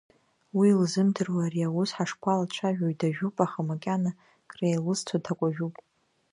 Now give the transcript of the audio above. Уи илзымдыруа ари аус ҳашԥалацәажәои, дажәуп, аха макьана креилызцо ҭакәажәуп.